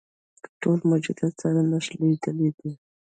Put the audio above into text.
ټول موجودات سره نښلیدلي دي.